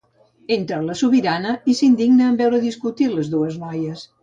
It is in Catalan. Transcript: Entra la sobirana i s'indigna en veure discutir les dues noies.